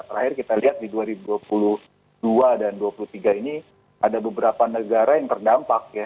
terakhir kita lihat di dua ribu dua puluh dua dan dua ribu dua puluh tiga ini ada beberapa negara yang terdampak ya